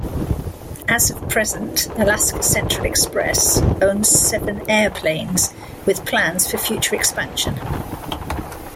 As of present, Alaska Central Express owns seven airplanes with plans for future expansion.